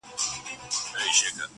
کله شاته کله څنګ ته یې کتله-